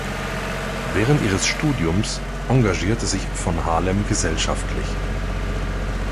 Während ihres Studiums engagierte sich von Harlem gesellschaftlich.